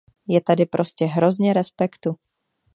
Je tady prostě hrozně respektu.